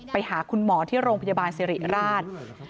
ไปหาคุณหมอที่โรงพยาบาลสิริราช